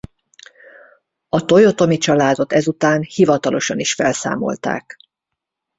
A Tojotomi családot ezután hivatalosan is felszámolták.